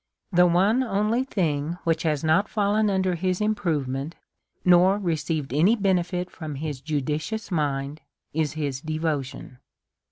The only thing which has not fallen under his im* provement, nor received any benefit from his judicious mind, is his devotion.